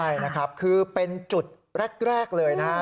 ใช่นะครับคือเป็นจุดแรกเลยนะครับ